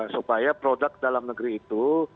supaya produk dalam negeri itu